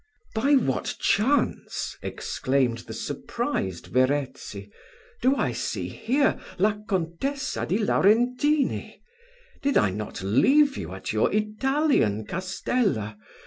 "By what chance," exclaimed the surprised Verezzi, "do I see here La Contessa di Laurentini? did not I leave you at your Italian castella?